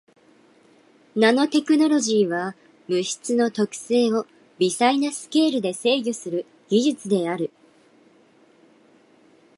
ナノテクノロジーは物質の特性を微細なスケールで制御する技術である。